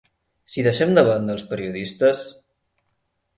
Si deixem de banda els periodistes